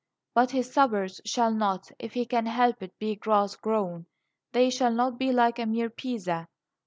But his suburbs shall not, if he can help it, be grass grown. They shall not be like a mere Pisa.